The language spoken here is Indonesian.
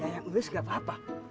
ya ya uis gak apa apa